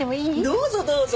どうぞどうぞ。